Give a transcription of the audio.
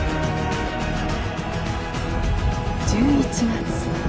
１１月。